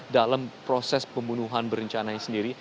dalam proses pembunuhan berencana ini sendiri